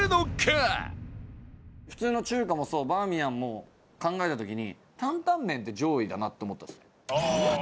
普通の中華もそうバーミヤンも考えた時に担々麺って上位だなって思ったんですよね。